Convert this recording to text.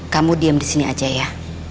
kamu diem disini aja ya